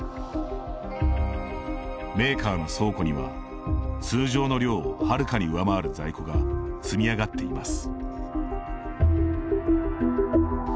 メーカーの倉庫には通常の量をはるかに上回る在庫が積み上がっています。